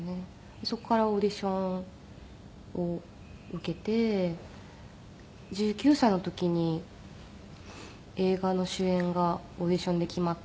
そこからオーディションを受けて１９歳の時に映画の主演がオーディションで決まって。